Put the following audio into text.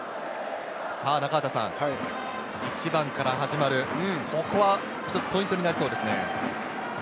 中畑さん、１番から始まる、ここは１つのポイントになりそうですね。